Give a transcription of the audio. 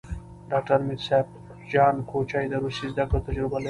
ډاکټر میر صاب جان کوچي د روسي زدکړو تجربه لري.